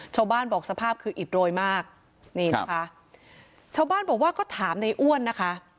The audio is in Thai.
ชาวบ้านบอกสภาพคืออิดโรยมากนี่นะคะชาวบ้านบอกว่าก็ถามในอ้วนนะคะ